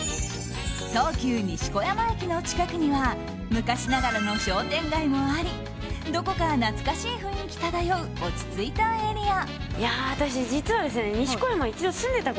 東急西小山駅の近くには昔ながらの商店街もありどこか懐かしい雰囲気漂う落ち着いたエリア。